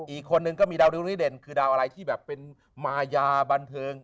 อีกคนนึงก็มีดาวดิวรีเด่นคือดาวอะไรที่แบบเป็นมายาบันเทิง